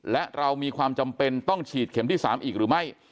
และเรามีความจำเป็นต้องฉีดเข็มที่๓อีกหรือไม่